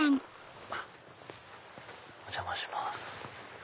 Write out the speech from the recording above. お邪魔します。